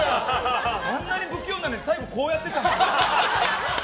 あんなに不器用なのに最後こうやってたわよ。